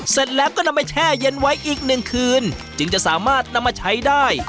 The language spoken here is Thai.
เสร็จแล้วก็นำไปแช่เย็นไว้อีกหนึ่งคืนจึงจะสามารถนำมาใช้ได้